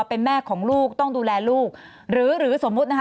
เป็นแม่ของลูกต้องดูแลลูกหรือหรือสมมุตินะคะ